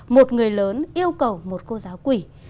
một người lớn yêu cầu một cô giáo quỳ